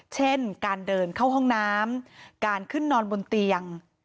เช่นการเดินเข้าห้องน้ำการขึ้นนอนบนเตียง